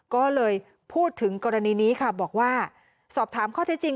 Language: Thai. ก็เลยพูดถึงกรณีนี้ค่ะบอกว่าสอบถามข้อเท็จจริง